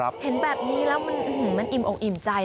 แบบนี้แล้วมันอิ่มองค์อิ่มใจ